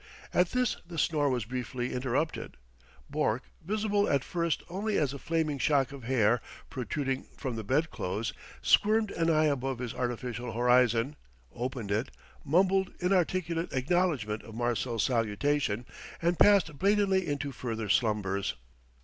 At this the snore was briefly interrupted; Bourke, visible at first only as a flaming shock of hair protruding from the bedclothes, squirmed an eye above his artificial horizon, opened it, mumbled inarticulate acknowledgment of Marcel's salutation, and passed blatantly into further slumbers.